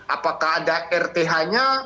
apakah ada rth nya